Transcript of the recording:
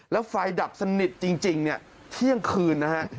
แล้วไฟดับสนิทจริงเนี่ยเที่ยงคืนนะฮะ